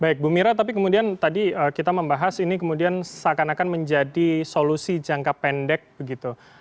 baik bu mira tapi kemudian tadi kita membahas ini kemudian seakan akan menjadi solusi jangka pendek begitu